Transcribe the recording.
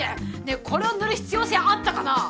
ねえこれを塗る必要性あったかなぁ？